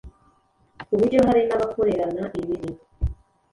ku buryo hari n’abakorerana ibibi